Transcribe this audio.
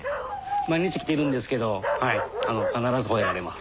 毎日来てるんですけどはい必ずほえられます。